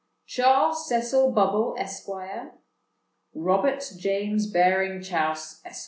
"Charles Cecil Bubble, Esq. "Robert James Baring Chouse, Esq.